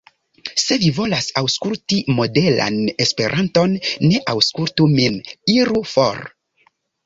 Se vi volas aŭskutli modelan Esperanton, ne aŭskultu min. Iru for.